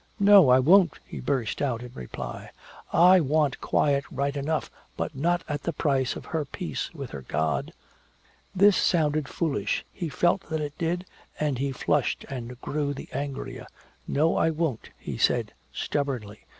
"No, I won't!" he burst out in reply. "I want quiet right enough, but not at the price of her peace with her God!" This sounded foolish, he felt that it did, and he flushed and grew the angrier. "No, I won't," he said stubbornly.